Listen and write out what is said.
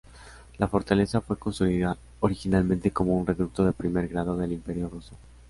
La Fortaleza fue construida originalmente como un reducto de primer grado del Imperio ruso.